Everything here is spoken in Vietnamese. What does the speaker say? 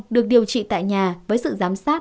được điều trị tại nhà với sự giám sát